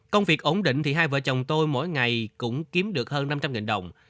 công việc ổn định thì hai vợ chồng tôi mỗi ngày cũng kiếm được hơn năm trăm linh đồng